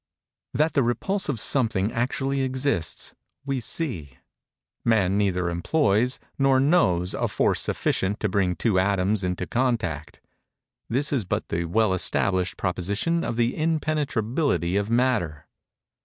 That the repulsive something actually exists, we see. Man neither employs, nor knows, a force sufficient to bring two atoms into contact. This is but the well established proposition of the impenetrability of matter.